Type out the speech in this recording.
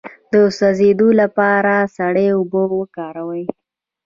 د سوځیدو لپاره سړې اوبه وکاروئ